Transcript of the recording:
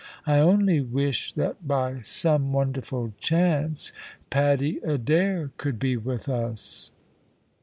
I only wish that by some wonderful chance Paddy Adair could be with us."